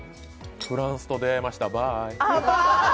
フランスと出会えました、バーイ。